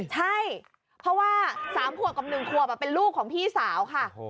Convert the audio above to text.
ใช่เพราะว่า๓ขวบกับ๑ขวบเป็นลูกของพี่สาวค่ะ